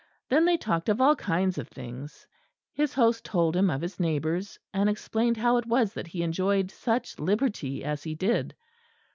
Then they talked of all kinds of things. His host told him of his neighbours; and explained how it was that he enjoyed such liberty as he did.